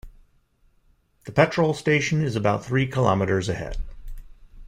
The petrol station is about three kilometres ahead